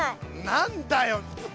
何だよ。